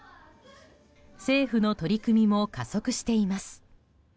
政府の取り組みも加速しています。